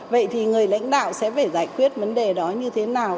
vậy thì người lãnh đạo sẽ phải giải quyết vấn đề đó như thế nào